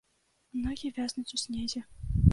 Ногі вязнуць у снезе.